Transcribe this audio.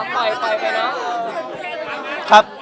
ปล่อยไปนะ